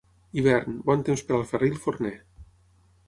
Hivern, bon temps per al ferrer i el forner.